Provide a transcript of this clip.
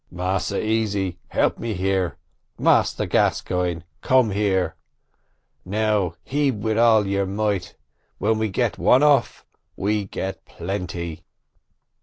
"Massa Easy, help me here Massa Gascoigne, come here. Now heab wid all your might: when we get one off we get plenty."